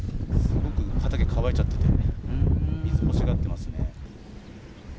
すごく畑が乾いちゃってて、水欲しがってますね。